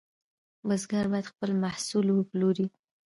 بزګر باید خپل محصول وپلوري.